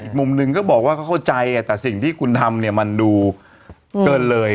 มุมหนึ่งก็บอกว่าเขาเข้าใจแต่สิ่งที่คุณทำเนี่ยมันดูเกินเลย